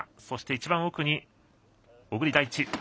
そして一番奥に小栗大地。